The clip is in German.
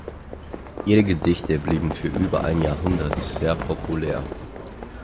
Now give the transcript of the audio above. Ihre Gedichte blieben für über ein Jahrhundert sehr populär.